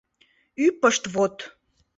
Ӱпышт вот...